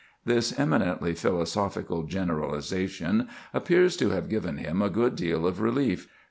This eminently philosophical generalization appears to have given him a good deal of relief.